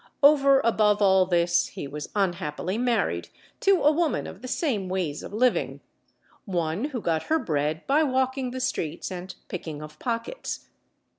Over above all this he was unhappily married to a woman of the same ways of living, one who got her bread by walking the streets and picking of pockets.